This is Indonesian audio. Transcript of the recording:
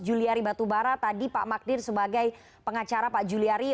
juliari batubara tadi pak magdir sebagai pengacara pak juliari